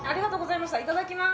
いただきます。